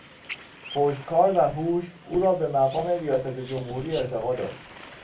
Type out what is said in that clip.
پشتکار و هوش او را به مقام ریاست جمهوری ارتقا داد.